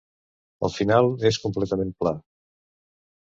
El final és completament pla.